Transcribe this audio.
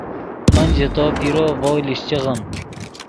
من ژے تو پیرو ڤؤ لیشچیغیم